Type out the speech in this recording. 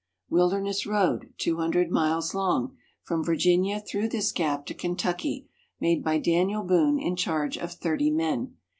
Wilderness Road, two hundred miles long, from Virginia through this gap to Kentucky, made by Daniel Boone in charge of thirty men.